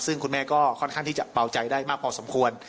ซึ่งคุณแม่ก็ค่อนข้างที่จะเบาใจได้มากพอสมควร